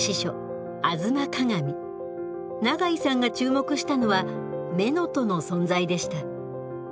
永井さんが注目したのは乳母の存在でした。